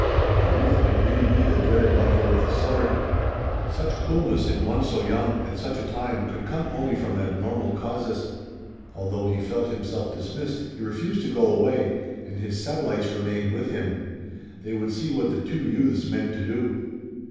The youth might really be the dreaded marvel with the sword. Such coolness in one so young at such a time could come only from abnormal causes. Although he felt himself dismissed he refused to go away and his satellites remained with him. They would see what the two youths meant to do.